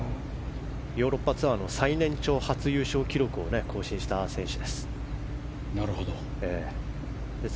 ヨーロピアンツアーの最年少初優勝記録を更新した選手です。